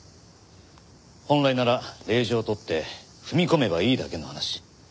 本来なら令状を取って踏み込めばいいだけの話。